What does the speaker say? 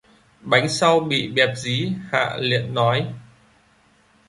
Bánh sau bị bẹp dí, Hạ liện nói